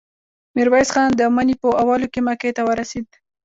ميرويس خان د مني په اولو کې مکې ته ورسېد.